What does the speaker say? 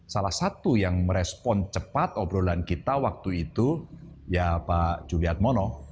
salah satu yang merespon cepat obrolan kita waktu itu ya pak juliat mono